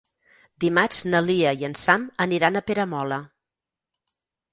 Dimarts na Lia i en Sam aniran a Peramola.